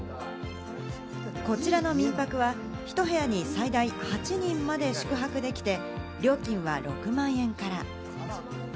こちらの民泊は、ひと部屋に最大８人まで宿泊できて、料金は６万円から。